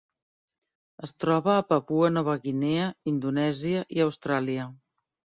Es troba a Papua Nova Guinea, Indonèsia i Austràlia.